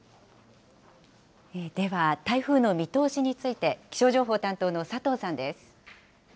では、台風の見通しについて、気象情報担当の佐藤さんです。